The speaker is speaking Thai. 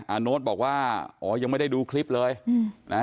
โน๊ตบอกว่าอ๋อยังไม่ได้ดูคลิปเลยนะ